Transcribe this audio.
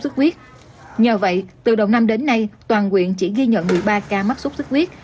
xuất huyết nhờ vậy từ đầu năm đến nay toàn quyện chỉ ghi nhận một mươi ba ca mắc sốt xuất huyết